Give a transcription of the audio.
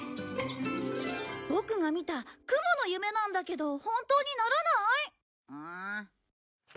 ボクが見た雲の夢なんだけど本当にならない？ん？